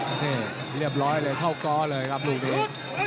นี่เรียบร้อยเลยเข้าก้อเลยครับลูกนี้